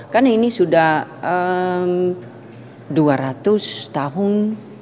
karena ini sudah dua ratus tahun